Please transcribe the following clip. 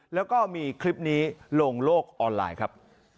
แล้วก็มีคลิปนี้ลงโลกออนไลน์ครับ